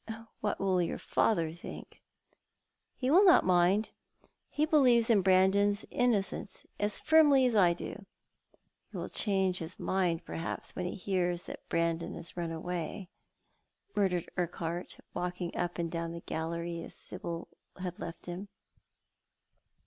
" What will your father think ?" i6o Thou art the Man. "Ho will not mind. He believes in Brandon's innocence as firmly as I do." "He will change his mind, perhaps, when he hears that Brandon has run away," muttered Urquhart, walking up and down the gallery after Sibyl had left him.